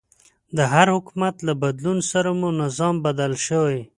د هر حکومت له بدلون سره مو نظام بدل شوی.